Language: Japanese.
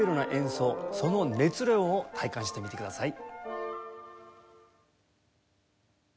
その熱量を体感してみてください。